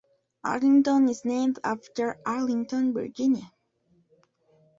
Arlington is named after Arlington, Virginia.